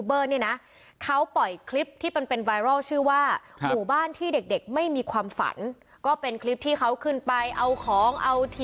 เอาของเอาทีวีเอาแผง